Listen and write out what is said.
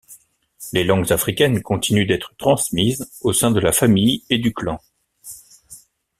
Les langues africaines continuent d'être transmises au sein de la famille et du clan.